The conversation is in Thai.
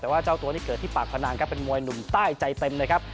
แต่ว่าเจ้าตัวนี่เกิดที่ปากพนังครับเป็นมวยหนุ่มใต้ใจเต็มเลยครับ